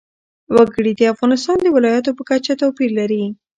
وګړي د افغانستان د ولایاتو په کچه توپیر لري.